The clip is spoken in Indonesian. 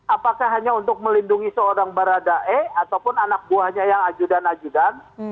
apakah hanya untuk melindungi seorang baradae ataupun anak buahnya yang ajudan ajudan